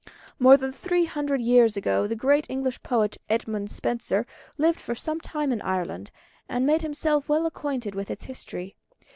More than three hundred years ago the great English poet, Edmund Spenser, lived for some time in Ireland, and made himself well acquainted with its history.